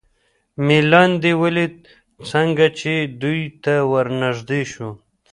مې لاندې ولید، څنګه چې دوی ته ور نږدې شو.